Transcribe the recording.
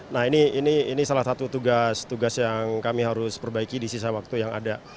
nah ini salah satu tugas tugas yang kami harus perbaiki di sisa waktu yang ada